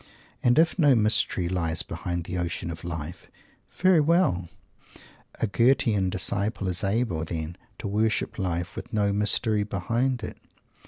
And if no "mystery" lies behind the ocean of life, very well! A Goethean disciple is able, then, to worship Life, with no mystery behind it!